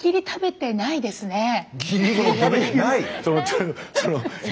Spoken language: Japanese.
食べてないですね